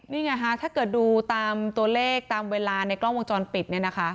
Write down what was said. นี่ไงฮะถ้าเกิดดูตามตัวเลขตามเวลาในกล้องวงจรปิดเนี่ยนะคะ